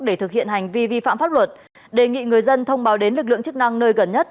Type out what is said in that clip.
để thực hiện hành vi vi phạm pháp luật đề nghị người dân thông báo đến lực lượng chức năng nơi gần nhất